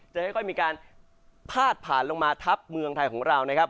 จะค่อยมีการพาดผ่านลงมาทับเมืองไทยของเรานะครับ